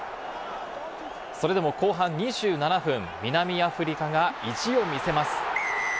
それでも後半２７分、南アフリカが意地を見せます。